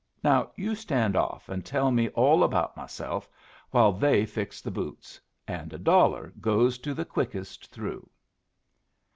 Now you stand off and tell me all about myself while they fix the boots and a dollar goes to the quickest through."